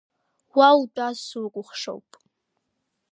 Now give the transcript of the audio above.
Уа утәаз, сукәахшоуп!